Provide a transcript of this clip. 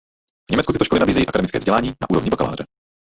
V Německu tyto školy nabízejí akademické vzdělání na úrovni bakaláře.